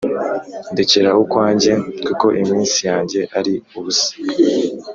ndekera ukwanjye kuko iminsi yanjye ari ubusa